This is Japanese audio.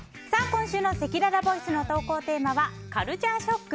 今週のせきららボイスの投稿テーマはカルチャーショック！？